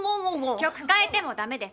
曲変えてもダメです！